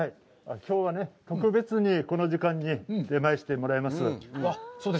きょうはね、特別にこの時間に出前してもらいます。